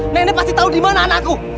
nenek pasti tau dimana anakku